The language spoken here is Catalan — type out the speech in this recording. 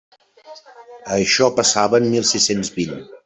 Això passava en mil sis-cents vint.